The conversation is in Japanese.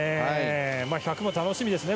１００も楽しみですね